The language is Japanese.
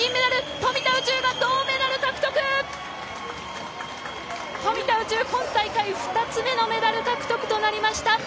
富田宇宙、今大会２つ目のメダル獲得となりました！